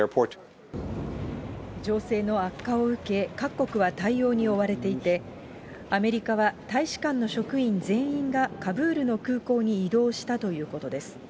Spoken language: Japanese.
情勢の悪化を受け、各国は対応に追われていて、アメリカは大使館の職員全員がカブールの空港に移動したということです。